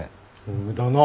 だな。